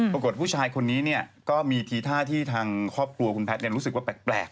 ผู้ชายคนนี้ก็มีทีท่าที่ทางครอบครัวคุณแพทย์รู้สึกว่าแปลก